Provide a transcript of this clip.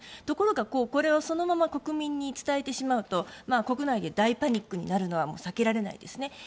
ところがこれをそのまま国民に伝えてしまうと国内で大パニックになるのは避けられないですね。